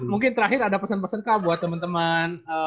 mungkin terakhir ada pesen pesen kak buat temen temen